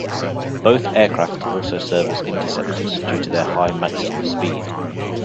Both aircraft also serve as interceptors due to their high maximum speed.